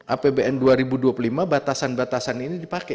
apbn dua ribu dua puluh lima batasan batasan ini dipakai